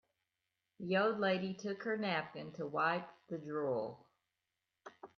The old lady took her napkin to wipe the drool.